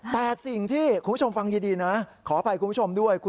แต่สิ่งที่คุณผู้ชมฟังดีนะขออภัยคุณผู้ชมด้วย